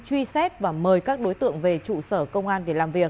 truy xét và mời các đối tượng về trụ sở công an để làm việc